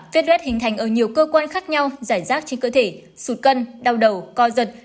viết loét hình thành ở nhiều cơ quan khác nhau giải rác trên cơ thể sụt cân đau đầu co giật